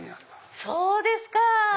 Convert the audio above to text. そうですか！